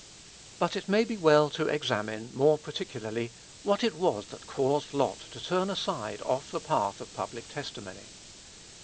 But it may be well to examine, more particularly, what it was that caused Lot to turn aside off the path of public testimony.